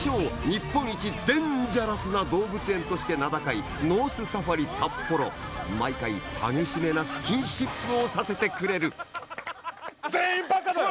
日本一デンジャラスな動物園として名高い毎回激しめなスキンシップをさせてくれる全員バカだよ！